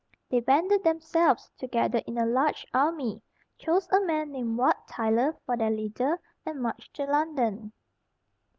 They banded themselves together in a large army, chose a man named Wat Tyler for their leader, and marched to London.